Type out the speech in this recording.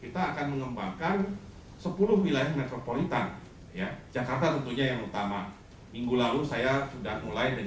bapak nas menargetkan pemindahan ibu kota pemerintahan antara lima hingga sepuluh tahun mendatang